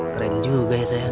keren juga ya sayang